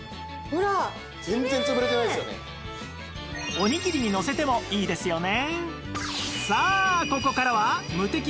おにぎりにのせてもいいですよね